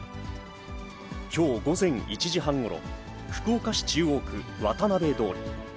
きょう午前１時半ごろ、福岡市中央区渡辺通。